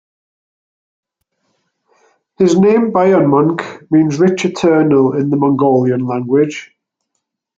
His name Bayanmonkh means "Rich eternal" in the Mongolian language.